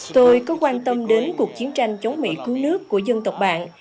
tôi có quan tâm đến cuộc chiến tranh chống mỹ cứu nước của dân tộc bạn